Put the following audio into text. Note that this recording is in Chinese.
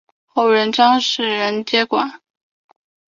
后由张世则接任。